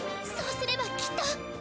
そうすればきっと。